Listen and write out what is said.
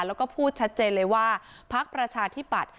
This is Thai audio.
แล้วก็พูดชัดเจนเลยว่าพักประชาธิปัตย